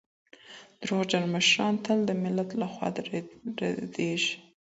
درواغجن مشران تل د ملت له خوا ردېږي.